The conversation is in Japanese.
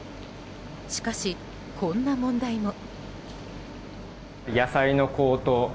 しかし、こんな問題も。